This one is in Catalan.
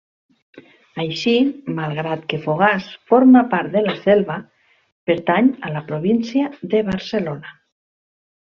Així, malgrat que Fogars forma part de la Selva, pertany a la província de Barcelona.